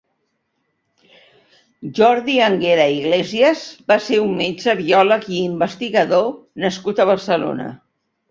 Jordi Anguera i Iglésies va ser un metge, biòleg i investigador nascut a Barcelona.